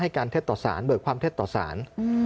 ให้การเทศต่อศาลเบิกความเทศต่อศาล